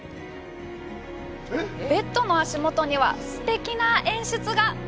ベッドの足元には、すてきな演出が！